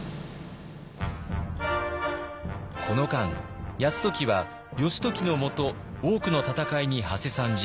この間泰時は義時の下多くの戦いにはせ参じ